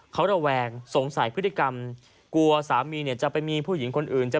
เขาระแวงสงสัยพฤติกรรมกลัวสามีจะไปมีผู้หญิงคนอื่น